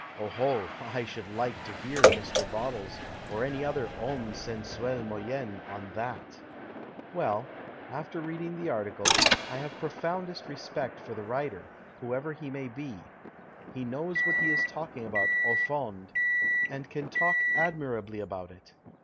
(Oho 1 I should like to hear Mr. Bottles or any other Jionime sensuel moyen on that !) Well, after reading the article, I have the 78 THE FUNCTION OF CRITICISM profoundest respect for the writer, whoever he may be ; he knows what he is talking about au fond, and can talk admirably about it.